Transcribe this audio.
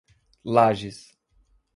Lajes